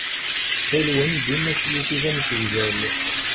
Ttxil-wen, dima ttlusut amsegdal.